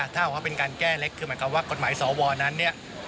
ถ้าบอกว่าเป็นการแก้เล็กคือหมายความว่ากฎหมายสวนั้นเนี่ย